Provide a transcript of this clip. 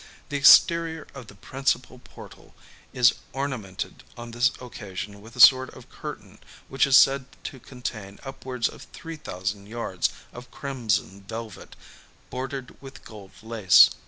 The exterior of the principal portal is ornamented on this occasion with a sort of curtain, which is said to contain upwards of three thousand yards of crimson velvet, bordered with gold lace.